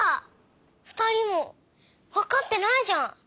ふたりもわかってないじゃん。